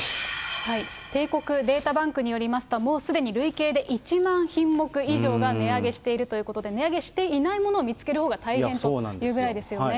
帝国データバンクによりますと、もうすでに累計で１万品目以上が値上げしているということで、値上げしていないものを見つけるほうが大変というぐらいですよね。